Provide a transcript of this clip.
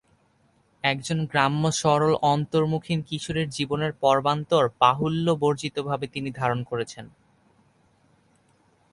একজন গ্রাম্য সরল অন্তর্মুখিন কিশোরীর জীবনের পর্বান্তর বাহুল্যবর্জিতভাবে তিনি ধারণ করেছেন।